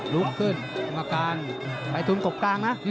ลุกขึ้นกรรมการไปทุนกบกลางนะ